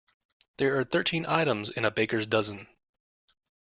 There are thirteen items in a baker’s dozen